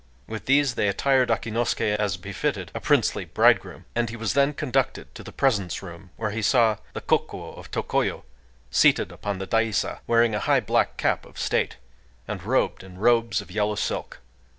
With these they attired Akinosuké as befitted a princely bridegroom; and he was then conducted to the presence room, where he saw the Kokuō of Tokoyo seated upon the daiza, wearing a high black cap of state, and robed in robes of yellow silk.